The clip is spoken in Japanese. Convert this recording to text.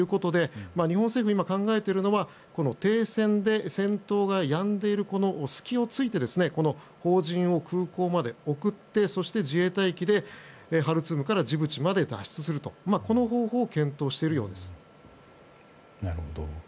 日本政府が考えているのは停戦で戦闘がやんでいる隙を突いて邦人を空港まで送ってそして自衛隊機でハルツームからジブチまで脱出するという方法を検討しているようです。